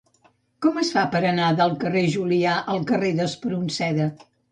Com es fa per anar del carrer de Julià al carrer d'Espronceda?